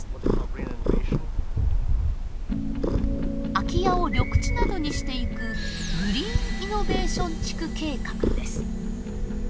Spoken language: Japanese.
空き家を緑地などにしていくグリーンイノベーション地区計画です。